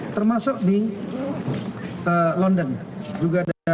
termasuk di london juga ada peristiwa